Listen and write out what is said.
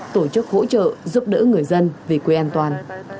tổ chức hỗ trợ giúp đỡ người dân về quê an toàn